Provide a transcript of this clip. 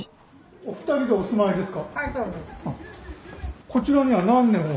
お二人でお住まいですか？